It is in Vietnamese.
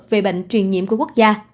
về bệnh truyền nhiễm của quốc gia